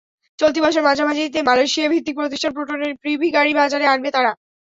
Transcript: চলতি বছরের মাঝামাঝিতে মালয়েশিয়াভিত্তিক প্রতিষ্ঠান প্রোটনের প্রিভি গাড়ি বাজারে আনবে তারা।